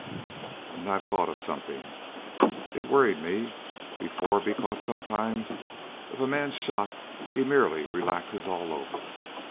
"And I've thought of something. It worried me, before, because sometimes if a man's shot he merely relaxes all over.